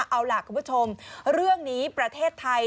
เอาล่ะคุณผู้ชมเรื่องนี้ประเทศไทย